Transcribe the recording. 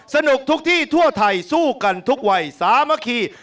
สนุกทุกที่ทั่วไทยสู้กันทุกวัยสามัคคี